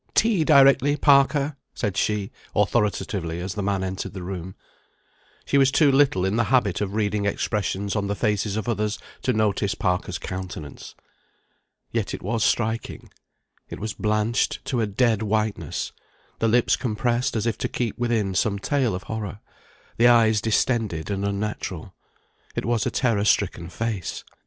"Tea directly, Parker," said she, authoritatively, as the man entered the room. She was too little in the habit of reading expressions on the faces of others to notice Parker's countenance. Yet it was striking. It was blanched to a dead whiteness; the lips compressed as if to keep within some tale of horror; the eyes distended and unnatural. It was a terror stricken face.